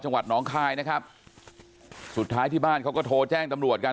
น้องคายนะครับสุดท้ายที่บ้านเขาก็โทรแจ้งตำรวจกัน